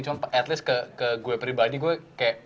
cuma at least ke gue pribadi gue kayak